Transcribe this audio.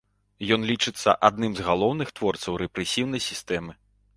Ён лічыцца адным з галоўных творцаў рэпрэсіўнай сістэмы.